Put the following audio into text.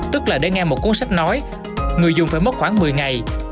tức là để nghe một cuốn sách nói người dùng phải mất khoảng một mươi ngày